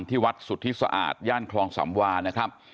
ที่วัดสุทธิสะอาดย่านคลองสำวานะครับ